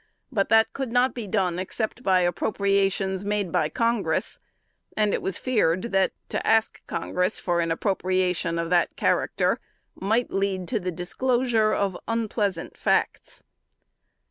But that could not be done except by appropriations made by Congress; and it was feared that, to ask Congress for an appropriation of that character, might lead to the disclosure of unpleasant facts.